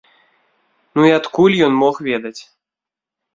Ну і адкуль ён мог ведаць?